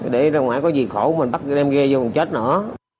để ra ngoài có gì khổ mình bắt đem ghe vô còn chết nữa